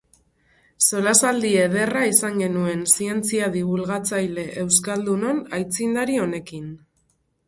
Solasaldi ederra izan genuen zientzia dibulgatzaile euskaldunon aitzindari honekin.